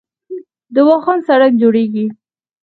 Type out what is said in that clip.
د واخان سړک جوړیږي